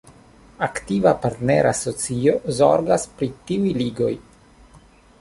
Aktiva partnera asocio zorgas pri tiuj ligoj.